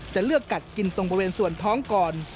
จะเลือกกัดกินตรงบริเวณส่วนท้องก่อน